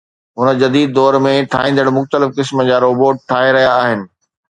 هن جديد دور ۾، ٺاهيندڙ مختلف قسم جا روبوٽ ٺاهي رهيا آهن